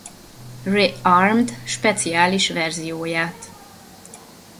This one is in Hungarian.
Re-Armed speciális verzióját.